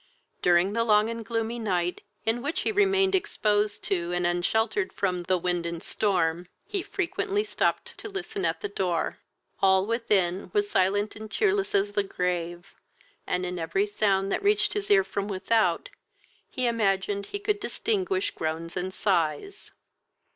During the long and gloomy night, in which he remained exposed to and unsheltered from the wind and storm, he frequently stopped to listened at the door. All within was silent and cheerless as the grave, and in every sound that reached his ear from without, he imagined he could distinguish groans and sighs.